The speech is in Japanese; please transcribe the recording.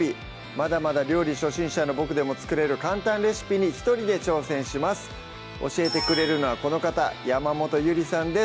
まだまだ料理初心者のボクでも作れる簡単レシピに一人で挑戦します教えてくれるのはこの方山本ゆりさんです